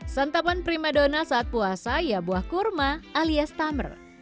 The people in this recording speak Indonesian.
santapan prima donna saat puasa ya buah kurma alias tummer